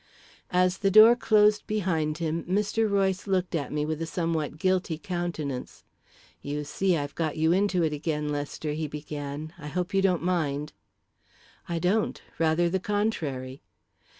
As the door closed behind him, Mr. Royce looked at me with a somewhat guilty countenance. "You see, I've got you into it again, Lester," he began. "I hope you don't mind." "I don't. Rather the contrary."